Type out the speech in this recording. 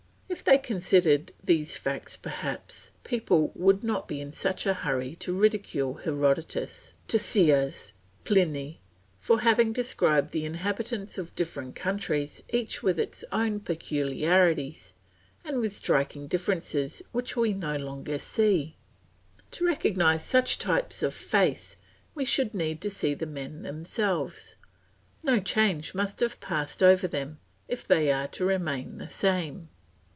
If they considered these facts perhaps people would not be in such a hurry to ridicule Herodotus, Ctesias, Pliny for having described the inhabitants of different countries each with its own peculiarities and with striking differences which we no longer see. To recognise such types of face we should need to see the men themselves; no change must have passed over them, if they are to remain the same.